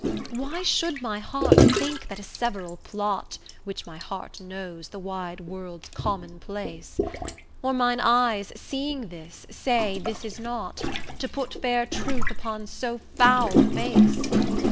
Why should my heart think that a several plot, Which my heart knows the wide world's common place? Or mine eyes, seeing this, say this is not, To put fair truth upon so foul a face?